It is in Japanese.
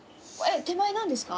手前何ですか？